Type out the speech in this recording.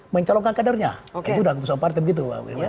mencalonkan kadernya itu dah keusahaan partai begitu